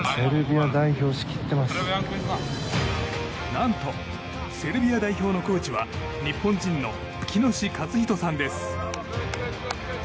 何と、セルビア代表のコーチは日本人の喜熨斗勝史さんです。